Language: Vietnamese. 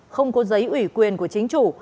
không có giấy ủy quyền của chính chủ